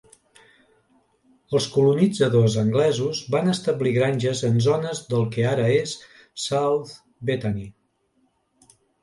Els colonitzadors anglesos van establir granges en zones del que ara és South Bethany.